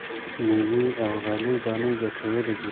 مېوې او غلې دانې ګټورې دي.